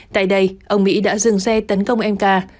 tại đây ông mỹ đã dừng xe tấn công em ca